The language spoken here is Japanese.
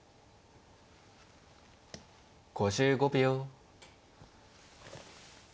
５５秒。